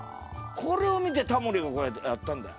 これを見てタモリがこうやってやったんだよ。